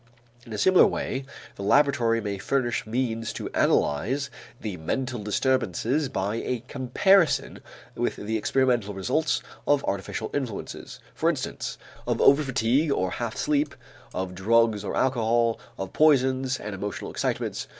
In a similar way the laboratory may furnish means to analyze the mental disturbances by a comparison with the experimental results of artificial influences, for instance, of over fatigue or half sleep, of drugs or alcohol, of poisons and emotional excitements.